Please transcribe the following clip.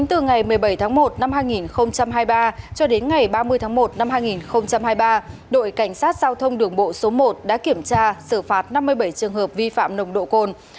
từ ngày một mươi bảy tháng một năm hai nghìn hai mươi ba cho đến ngày ba mươi tháng một năm hai nghìn hai mươi ba đội cảnh sát giao thông đường bộ số một đã kiểm tra xử phạt năm mươi bảy trường hợp vi phạm nồng độ cồn